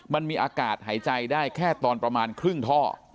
มันมีอากาศหายใจได้แค่ตอนประมาณครึ่งท่อ